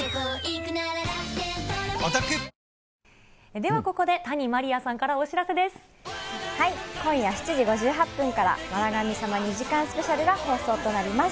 ではここで谷まりあさんから今夜７時５８分から、笑神様２時間スペシャルが放送となります。